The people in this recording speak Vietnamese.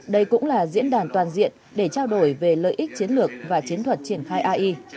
đây cũng là diễn đàn toàn diện để trao đổi về lợi ích chiến lược và chiến thuật triển khai ai